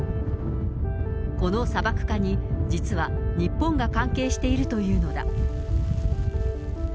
この砂漠化に実は、日本が関係しているというのだ。